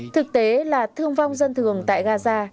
thực tế là thương vong dân thường tại gaza